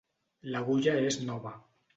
L'agulla és nova.